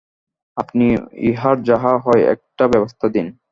আপনি ইহার যাহা হয় একটা ব্যবস্থা দিন।